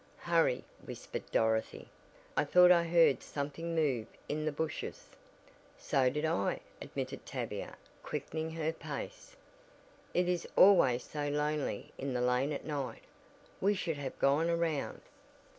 "Hurry," whispered Dorothy, "I thought I heard something move in the bushes!" "So did I," admitted Tavia, quickening her pace. "It is always so lonely in the lane at night, we should have gone around."